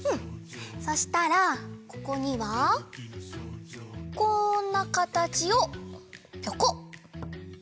そしたらここにはこんなかたちをぴょこ！